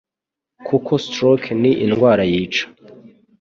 kuko Stroke ni indwara yica